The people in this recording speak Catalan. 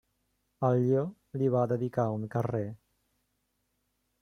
Alió li va dedicar un carrer.